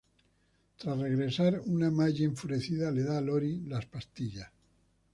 Tras regresar, una Maggie enfurecida le da a Lori las pastillas.